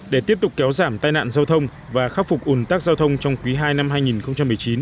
để tiếp tục kéo giảm tai nạn giao thông và khắc phục ủn tắc giao thông trong quý ii năm hai nghìn một mươi chín